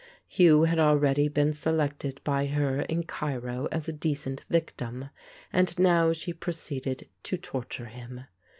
Hugh had already been selected by her in Cairo as a decent victim, and now she proceeded to torture him.